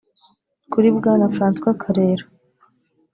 Kuri Bwana Francois Karera